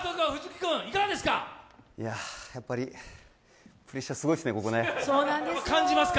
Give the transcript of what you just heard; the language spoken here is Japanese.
いややっぱりプレッシャーすごいですね、ここね。